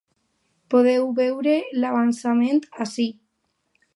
Podeu veure l’avançament ací.